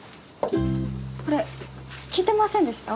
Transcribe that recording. あれ聞いてませんでした？